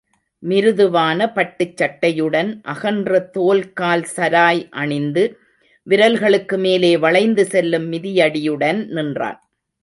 மிருதுவான பட்டுச் சட்டையுடன் அகன்ற தோல்கால் சராய் அணிந்து, விரல்களுக்குமேலே வளைந்து செல்லும் மிதியடியுடன் நின்றான்.